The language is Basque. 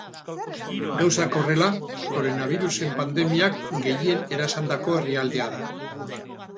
Gauzak horrela, koronabirusaren pandemiak gehien erasandako herrialdea da.